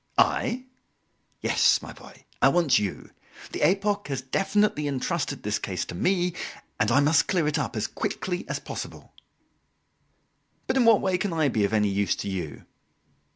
"I? " "Yes, my boy. I want you. The 'Epoque' has definitely entrusted this case to me, and I must clear it up as quickly as possible." "But in what way can I be of any use to you?"